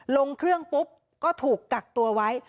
ลงเครื่องปุ๊บก็ถูกกักตัวไว้